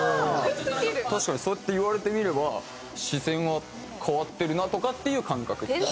確かにそうやって言われてみれば視線は変わってるなとかっていう感覚。